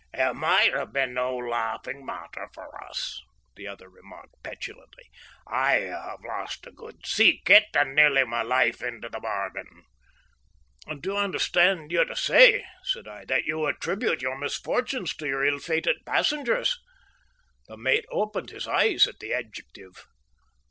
"It might have been no laughing matter for us," the other remarked petulantly. "I have lost a good sea kit and nearly my life into the bargain." "Do I understand you to say," said I, "that you attribute your misfortunes to your ill fated passengers?" The mate opened his eyes at the adjective.